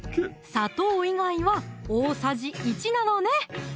砂糖以外は大さじ１なのね！